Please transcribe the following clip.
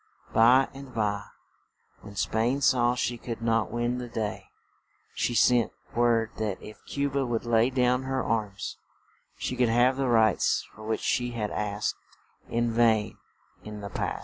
By and by, when Spain saw she could not win the day, she sent word that if Cu ba would lay down her arms, she could have the rights for which she had asked in vain in the past.